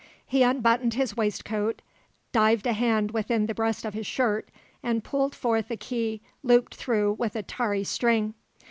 He unbuttoned his waistcoat, dived a hand within the breast of his shirt, and pulled forth a key looped through with a tarry string.